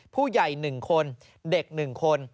ผู้ใหญ่๑คนเด็ก๑คน